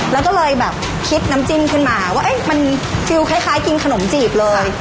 แล้วก็เลยแบบคิดน้ำจิ้มขึ้นมาว่ามันฟิลคล้ายกินขนมจีบเลย